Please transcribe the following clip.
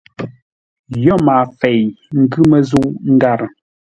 Yo maafei, ngʉ̌ məzə̂u ngârə.